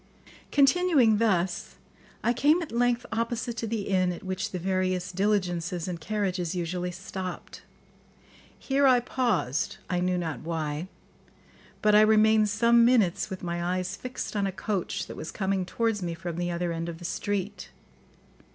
] Continuing thus, I came at length opposite to the inn at which the various diligences and carriages usually stopped. Here I paused, I knew not why; but I remained some minutes with my eyes fixed on a coach that was coming towards me from the other end of the street.